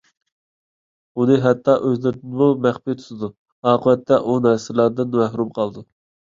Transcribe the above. ئۇنى ھەتتا ئۆزلىرىدىنمۇ مەخپى تۇتىدۇ. ئاقىۋەتتە ئۇ نەرسىلەردىن مەھرۇم قالىدۇ.